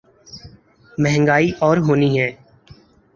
مہنگائی اور ہونی ہے۔